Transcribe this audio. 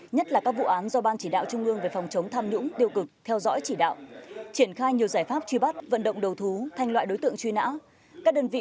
nhất là các vụ án do ban chỉ đạo trung ương về phòng chống tham nhũng tiêu cực theo dõi chỉ đạo triển khai nhiều giải pháp truy bắt vận động đầu thú thành loại đối tượng truy nã